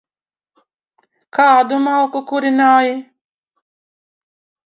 Kādu malku kurināji?